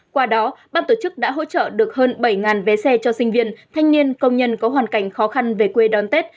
qua đó ban tổ chức đã hỗ trợ được hơn bảy vé xe cho sinh viên thanh niên công nhân có hoàn cảnh khó khăn về quê đón tết